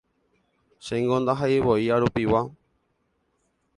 Chéngo ndaha'eivoi arupigua